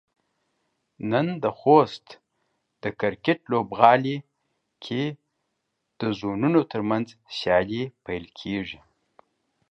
نن د خوست د کرکټ لوبغالي کې د زونونو ترمنځ سيالۍ پيل کيږي.